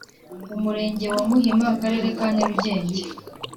umurenge wa Muhima Akarere ka nyarugenge